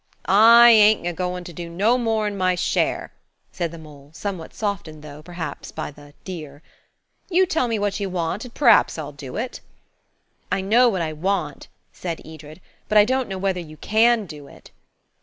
"I ain't agoin' to do no more'n my share," said the mole, somewhat softened though, perhaps by the "dear." "You tell me what you want, and p'raps I'll do it." "I know what I want," said Edred, "but I don't know whether you can do it."